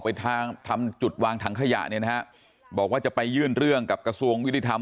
ไปทางทำจุดวางถังขยะเนี่ยนะฮะบอกว่าจะไปยื่นเรื่องกับกระทรวงยุติธรรม